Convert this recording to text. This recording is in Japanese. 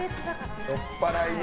酔っぱらいの。